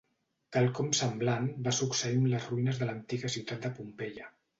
Quelcom semblant va succeir amb les ruïnes de l’antiga ciutat de Pompeia.